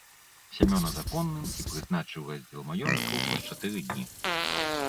Сямёна законным і прызначыў раздзел маёнткаў праз чатыры тыдні.